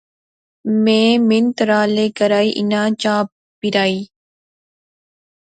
میں منت ترلے کری انیں چاء پیرائی